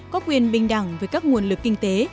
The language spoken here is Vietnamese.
có quyền bình đẳng với các nguồn lực kinh tế